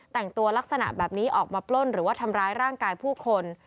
แต่งตัวลักษณะแบบนี้ออกมาปล้นหรือว่าทำร้ายร่างกายผู้คน